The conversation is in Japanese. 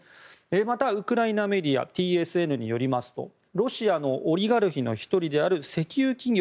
また、ウクライナメディアのＴＳＮによりますとロシアのオリガルヒの１人である石油企業